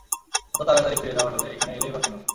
এত তাড়াতাড়ি ফিরে যাওয়ার হলে, এখানে এলেই বা কেন?